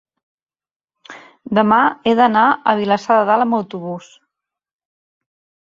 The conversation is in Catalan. demà he d'anar a Vilassar de Dalt amb autobús.